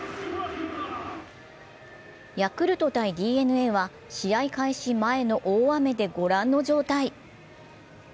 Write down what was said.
ヤルクト×ＤｅＮＡは試合開始前の大雨でご覧の状態。